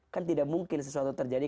kan tidak mungkin sesuatu terjadi